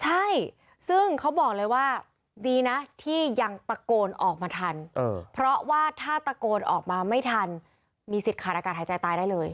ใช่ซึ่งเขาบอกเลยว่าดีนะที่ยังตะโกนออกมาทันเพราะว่าถ้าตะโกนออกมาไม่ทันมีสิทธิ์ขาดอากาศหายใจตายได้เลย